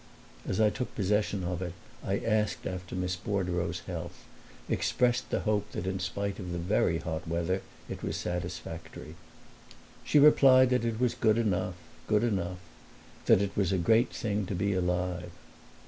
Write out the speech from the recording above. As I took possession of it I asked after Miss Bordereau's health; expressed the hope that in spite of the very hot weather it was satisfactory. She replied that it was good enough good enough; that it was a great thing to be alive.